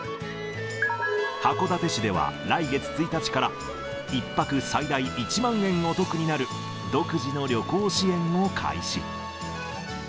函館市では、来月１日から１泊最大１万円お得になる独自の旅行支援を開始。